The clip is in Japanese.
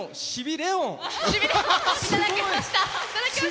レオンいただきました！